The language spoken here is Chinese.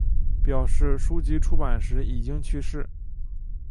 表示书籍出版时已经去世。